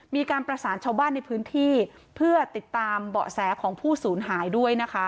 มีการประสานชาวบ้านในพื้นที่เพื่อติดตามเบาะแสของผู้สูญหายด้วยนะคะ